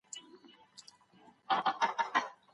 کارکوونکي نوي فرصتونه غواړي.